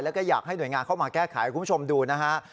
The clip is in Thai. แล้วก็อยากให้หน่วยงานเข้ามาแก้ไขคุณผู้ชมดูนะฮะ